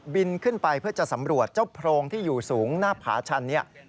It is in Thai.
บินขึ้นไปเพื่อจะสำรวจเจ้าโพรงที่อยู่สูงหน้าผาชันเนี่ย